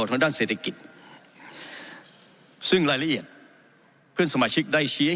ทางด้านเศรษฐกิจซึ่งรายละเอียดเพื่อนสมาชิกได้ชี้ให้